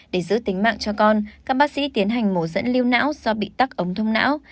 để giữ tính mạng cho con các bác sĩ tiến hành mổ dẫn lưu não do bị tắc ống thông não